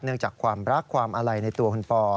จากความรักความอาลัยในตัวคุณปอ